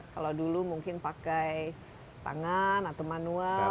kalau dulu mungkin pakai tangan atau manual